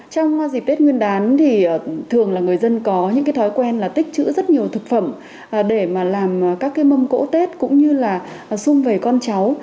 trong dịp tết nguyên đán thì thường là người dân có những cái thói quen là tích chữ rất nhiều thực phẩm để mà làm các cái mâm cỗ tết cũng như là xung về con cháu